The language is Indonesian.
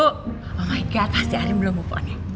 oh my god pasti arin belum mau poni